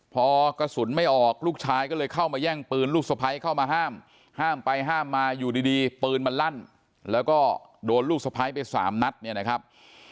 พอกระสุนไม่ออกลูกชายก็เลยเข้ามาแย่งปืนลูกสะพ้ายเข้ามาห้ามห้ามไปห้ามมาอยู่ดีปืนมันลั่นแล้วก็โดนลูกสะพ้ายไปสามนัดเนี่ยนะครับ